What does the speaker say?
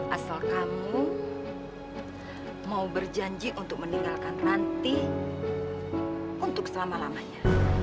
asal kamu mau berjanji untuk meninggalkan ranti untuk selama lamanya